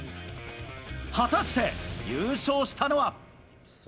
果たして優勝したのは。